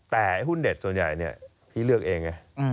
แต่หุ้นเด็ดส่วนใหญ่เนี่ยพี่เลือกเองไง